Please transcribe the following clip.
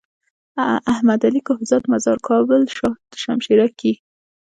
احمد علي کهزاد مزار کابل شاه دو شمشيره کي۔